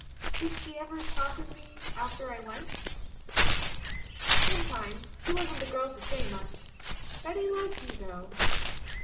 'Did she ever talk of me after I went?' " 'Sometimes. She wasn't the girl to say much. Betty liked you, though.'